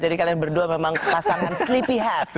jadi kalian berdua memang pasangan sleepy hat